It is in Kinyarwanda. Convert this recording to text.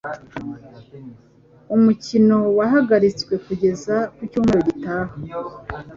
Umukino wahagaritswe kugeza ku cyumweru gitaha.